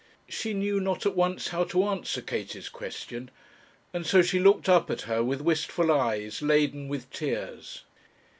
She knew not at once how to answer Katie's question; and so she looked up at her with wistful eyes, laden with tears.